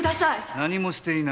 何もしていない。